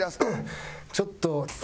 ちょっと。